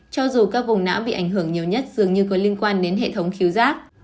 cho dù các vùng não bị ảnh hưởng nhiều nhất dường như có liên quan đến hệ thống thiếu rác